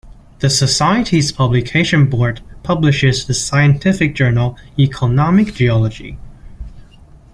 The society's Publication Board publishes the scientific journal "Economic Geology".